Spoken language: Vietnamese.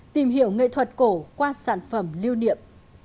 tìm hiểu nghệ thuật cổ qua sản phẩm lưu niệm